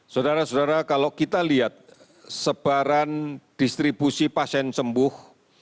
saudara saudara kalau kita lihat sebaran distribusi pasien sembuh